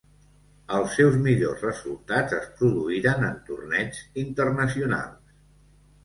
Els seus millors resultats es produïren en torneigs internacionals.